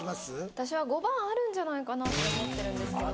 私は５番あるんじゃないかなって思ってるんですけど